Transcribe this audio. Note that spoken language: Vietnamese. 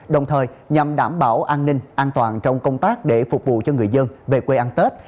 đồng thời nhằm đảm bảo an ninh an toàn trong công tác để phục vụ cho người dân về quê ăn tết